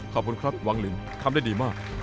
ขอบคุณครับหวังลินทำได้ดีมาก